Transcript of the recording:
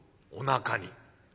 「おなかに」。